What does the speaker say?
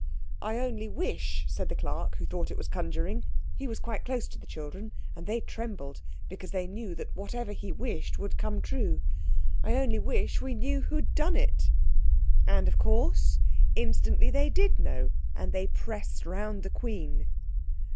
"I only wish," said the clerk who thought it was conjuring—he was quite close to the children and they trembled, because they knew that whatever he wished would come true. "I only wish we knew who'd done it." And, of course, instantly they did know, and they pressed round the Queen.